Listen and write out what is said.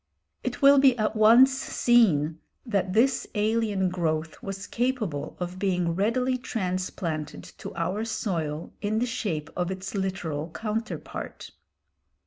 It will be at once seen that this alien growth was capable of being readily transplanted to our soil in the shape of its literal counterpart.